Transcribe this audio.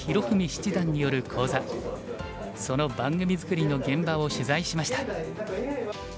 文七段による講座その番組作りの現場を取材しました。